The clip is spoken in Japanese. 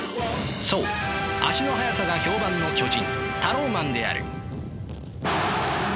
そう足の速さが評判の巨人タローマンである。